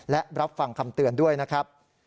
และรับฟังคำเตือนด้วยนะครับ